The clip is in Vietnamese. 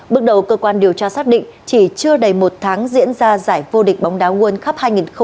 bước đầu cơ quan điều tra xác định chỉ chưa đầy một tháng diễn ra giải vô địch bóng đá nguồn khắp hai nghìn hai mươi hai